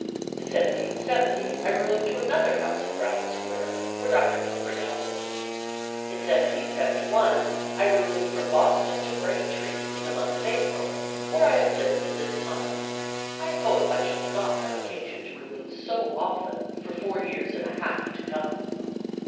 In 1770, I removed to another house in Brattle Square, where Dr. Cooper now lives; in 1771, I removed from Boston to Braintree, in the month of April, where I have lived to this time. I hope I shall not have occasion to remove so often for four years and a half to come."